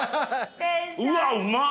うわうまっ！